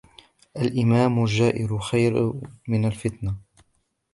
الْإِمَامُ الْجَائِرُ خَيْرٌ مِنْ الْفِتْنَةِ